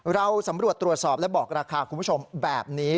เราสำรวจตรวจสอบและบอกราคาคุณผู้ชมแบบนี้